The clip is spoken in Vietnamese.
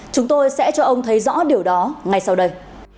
chúng tôi sẽ cho ông thấy rõ điều đó ngay sau đây